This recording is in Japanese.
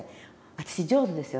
私上手ですよ